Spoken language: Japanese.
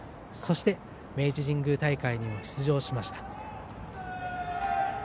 そして明治神宮大会に出場しました。